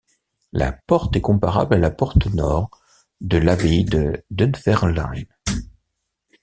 La porte est comparable à la porte nord de l’abbaye de Dunfermline.